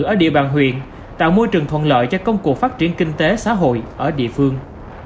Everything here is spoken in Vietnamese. ở địa bàn huyện tạo môi trường thuận lợi cho công cuộc phát triển kinh tế xã hội ở địa phương